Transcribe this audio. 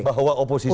bahwa oposisi boleh